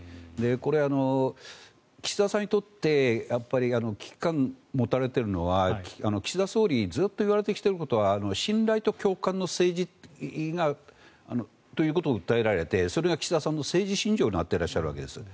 これ、岸田さんにとって危機感を持たれているのは岸田総理、ずっと言われてきていることがあるのは信頼と共感の政治ということを訴えられてそれが岸田さんの政治信条になっているわけです。